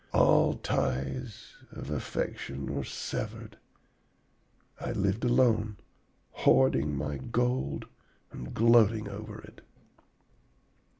All ties of affection were severed. I lived alone, hoarding my gold and gloating over it.